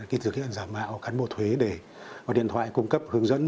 thứ hai là thực hiện giả mạo cán bộ thuế để có điện thoại cung cấp hướng dẫn